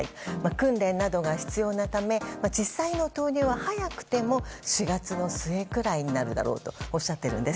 訓練などが必要なため実際の投入は早くても４月の末ぐらいになるだろうとおっしゃっているんです。